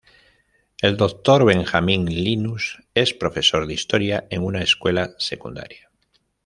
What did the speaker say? El Dr. Benjamin Linus es profesor de historia en una escuela secundaria.